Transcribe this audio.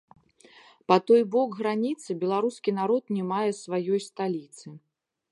Па той бок граніцы беларускі народ не мае сваёй сталіцы.